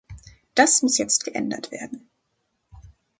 Das muss jetzt geändert werden.